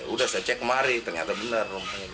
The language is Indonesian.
udah saya cek kemari ternyata benar